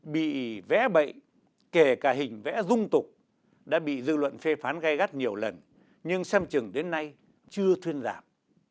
bị vẽ bậy kể cả hình vẽ dung tục đã bị dư luận phê phán gai gắt nhiều lần nhưng xem chừng đến nay chưa thuyên giảm